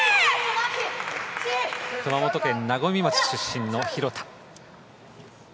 熊本県和水町出身の廣田。